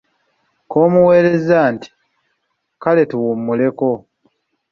Ko omuweereza nti:"kale katuwummuleko"